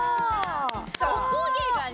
おこげがね。